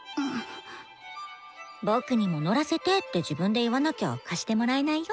「僕にも乗らせて！」って自分で言わなきゃ貸してもらえないよ。